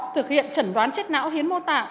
thực hiện chẩn đoán chết não hiến mô tạng